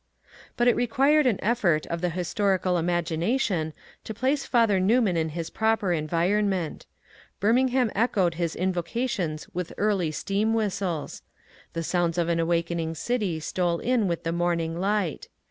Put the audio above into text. But it required an effort of the historical imagination to place Father Newman in his proper environment Birming ham echoed his invocations with early steam whistles. The sounds of an awakening city stole in with the morning light.